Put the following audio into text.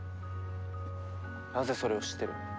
なぜそれを知ってる？